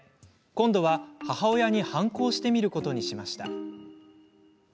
今度は、母親に反抗してみることにしました。